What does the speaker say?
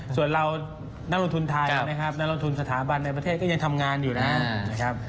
ส่วนเรานักลงทุนไทยนะครับนักลงทุนสถาบันในประเทศก็ยังทำงานอยู่นะครับ